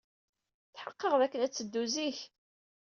Tḥeqqeɣ dakken ad teddu zik.